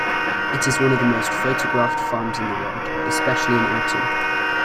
It is one of the most photographed farms in the world, especially in autumn.